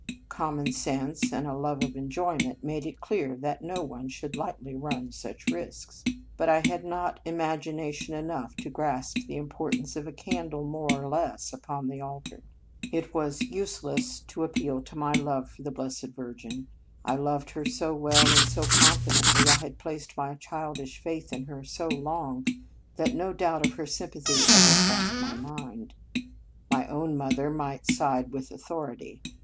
Com mon sense and a love of enjoyment made it clear that no one should lightly run such risks. But I had not imagi nation enough to grasp the importance of a candle more or less upon the altar. It was useless to appeal to my love for the Blessed Virgin. I loved her so well and so confidently, I had placed my childish faith in her so long, 15 In Our Convent Days that no doubt of her sympathy ever crossed my mind. My own mother might side with authority.